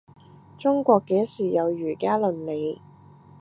中國幾時有儒家倫理